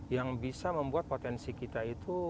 yang bisa membuat potensi kita itu